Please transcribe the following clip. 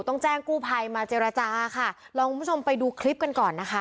ต้องแจ้งกู้ภัยมาเจรจาค่ะลองคุณผู้ชมไปดูคลิปกันก่อนนะคะ